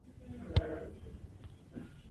Palmer fue invitada a repetir su papel como la Sra.